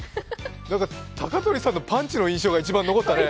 鷹取さんのパンチの印象が強く残ったね。